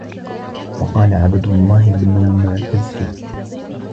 وَقَالَ عَبْدُ اللَّهِ بْنُ الْمُعْتَزِّ